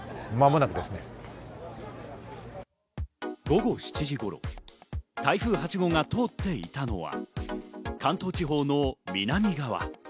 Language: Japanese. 午後７時頃、台風８号が通っていたのは関東地方の南側。